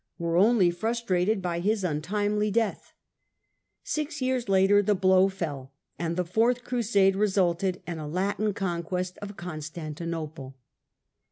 were only frustrated by his untimely death (see p. 176). Six years later the blow fell, and the Fourth Crusade resulted in a Latin conquest of Constantinople.